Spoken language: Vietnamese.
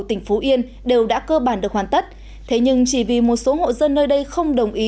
tỉnh phú yên đều đã cơ bản được hoàn tất thế nhưng chỉ vì một số hộ dân nơi đây không đồng ý